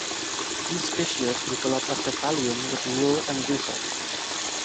These species develop a cephalium with wool and bristles.